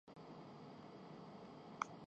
دنیا نے اس راز کو جان لیا ہے۔